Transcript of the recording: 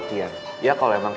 malah gue udah ada petunjuk